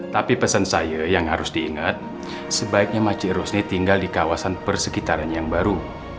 tapi pesan saya yang harus diingat sebaiknya masjid rosni tinggal di kawasan persekitaran yang baru